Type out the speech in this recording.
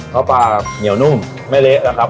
ปลาเหนียวนุ่มไม่เละนะครับ